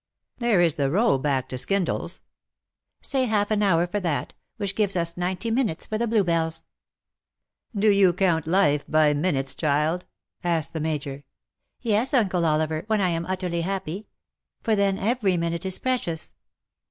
'' "There is the row back to Skindle's." ^* Sa^ half an hour for that, which gives us ninety minutes for the bluebells." ^^Do you count life by minutes, child?" asked the Major. " Yes, Uncle Oliver, when I am utterly happy; for then every minute is precious."